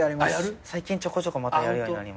最近ちょこちょこまたやるようになりました。